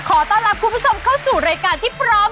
ขอต้อนรับคุณผู้ชมเข้าสู่รายการที่พร้อม